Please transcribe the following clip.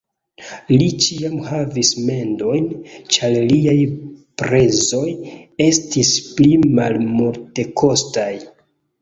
Li ĉiam havis mendojn, ĉar liaj prezoj estis pli malmultekostaj.